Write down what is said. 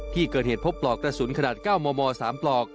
ที่เกิดเหตุพบปลอกกระสุนขนาด๙มม๓ปลอก